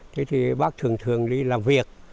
thế thì bác thường thường đi làm việc